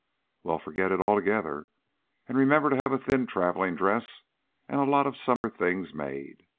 "Well, forget it altogether. And remember to have a thin travelling dress and a lot of summer things made.